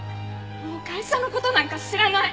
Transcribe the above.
もう会社の事なんか知らない！